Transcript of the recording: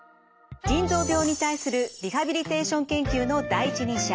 腎臓病に対するリハビリテーション研究の第一人者